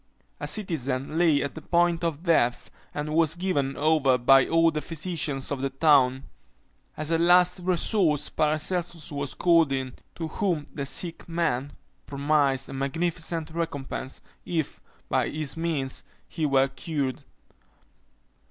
A citizen lay at the point of death, and was given over by all the physicians of the town. As a last resource Paracelsus was called in, to whom the sick man promised a magnificent recompense, if, by his means, he were cured.